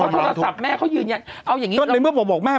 เพราะโทรศัพท์แม่เขายืนอย่างเอาอย่างงี้ตอนนี้เมื่อผมบอกแม่